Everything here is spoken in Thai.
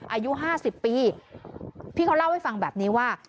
อายุ๕๐ปีพี่เขาเล่าให้ฟังแบบนี้ว่า